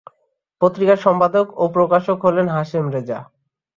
পত্রিকার সম্পাদক ও প্রকাশক হলেন হাশেম রেজা।